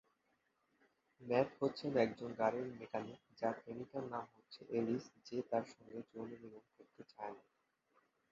Mat হচ্ছেন একজন গাড়ির মেকানিক যার প্রেমিকার নাম হচ্ছে এলিস যে তার সঙ্গে যৌনমিলন করতে চায়না।